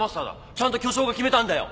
ちゃんと巨匠が決めたんだよ。